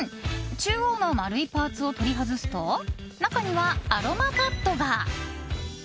中央の丸いパーツを取り外すと中には、アロマパッドが。